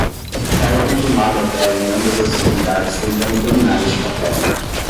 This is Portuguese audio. Ela tem queimado a vela em ambas as extremidades tentando terminar este papel.